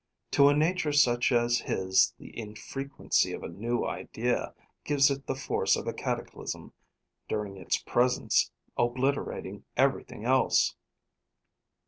To a nature such as his the infrequency of a new idea gives it the force of a cataclysm; during its presence, obliterating everything else.